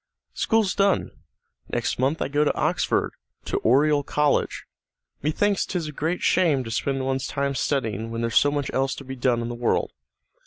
"School's done. Next month I go to Oxford, to Oriel College. Methinks 'tis a great shame to spend one's time studying when there's so much else to be done in the world.